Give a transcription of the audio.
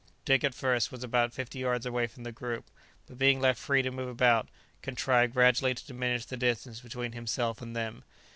Dick, at first, was about fifty yards away from the group, but being left free to move about, contrived gradually to diminish the distance between himself and them.